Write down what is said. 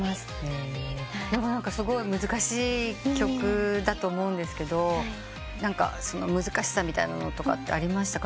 でもすごい難しい曲だと思うんですけど難しさみたいなのありましたか？